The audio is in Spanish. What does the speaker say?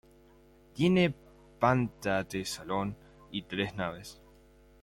Tiene panta de salón y tres naves.